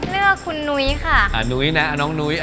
เลือกคุณนุ้ยค่ะ